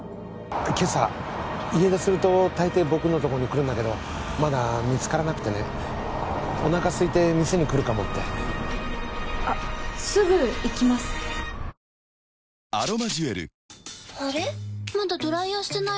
今朝家出するとたいてい僕のとこに来るんだけどまだ見つからなくてねおなかすいて店に来るかもってあっすぐ行きますハフハフ